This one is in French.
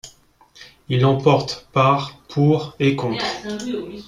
Il l'emporte par pour et contre.